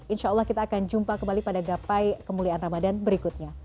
insya allah kita akan jumpa kembali pada gapai kemuliaan ramadhan berikutnya